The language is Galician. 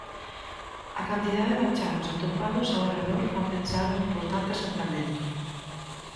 A cantidade de achados atopados ao redor fan pensar nun importante asentamento.